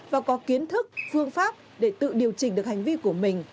và có kiến thức phương pháp để tự điều chỉnh được hành vi của mình